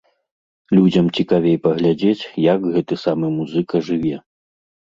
Людзям цікавей паглядзець, як гэты самы музыка жыве.